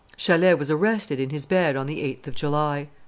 Chalais was arrested in his bed on the 8th of July.